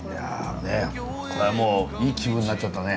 これはもういい気分になっちゃったね。